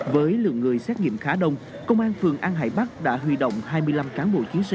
với lượng người xét nghiệm khá đông công an phường an hải bắc đã huy động hai mươi năm cán bộ chiến sĩ